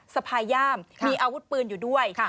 สะพายย่ามมีอาวุธปืนอยู่ด้วย